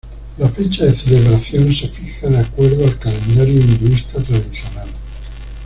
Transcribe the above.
La fecha de celebración se fija de acuerdo al calendario hinduista tradicional.